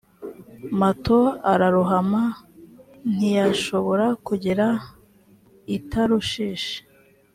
mato ararohama c ntiyashobora kugera i tarushishi